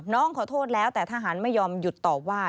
น้องขอโทษแล้วแต่ทหารไม่ยอมหยุดต่อว่า